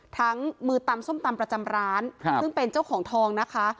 มือตำส้มตำประจำร้านซึ่งเป็นเจ้าของทองนะคะ